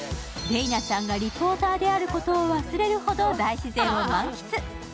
麗菜ちゃんがリポーターであることを忘れるほど大自然を満喫。